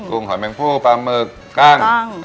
กุ้งหอยแมงผู้ปลาเมิกกล้าง